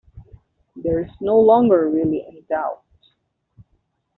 There is no longer really any doubt.